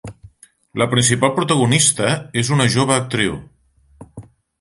La principal protagonista és una jove actriu.